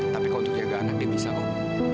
tapi kau untuk jaga anak dia bisa nuk